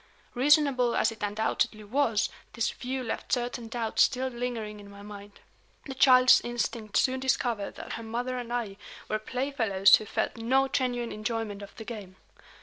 Reasonable as it undoubtedly was, this view left certain doubts still lingering in my mind. The child's instinct soon discovered that her mother and I were playfellows who felt no genuine enjoyment of the game.